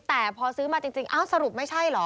แต่พอซื้อมาจริงเอ้าสรุปไม่ใช่เหรอ